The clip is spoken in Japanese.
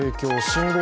信号